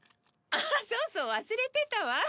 あっそうそう忘れてたわ。